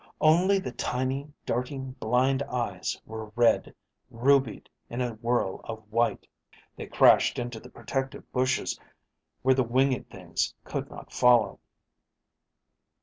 Only the tiny, darting, blind eyes were red, rubied in a whirl of white. They crashed into the protective bushes where the winged things could not follow.